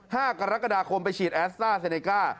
ห้ากรกฎาคมไปฉีดแอสต้าเซเนก้า